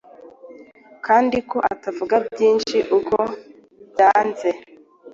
kandi ko atavuga byinshi uko byanze